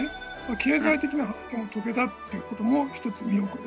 経済的な発展を遂げたという事も一つ魅力です。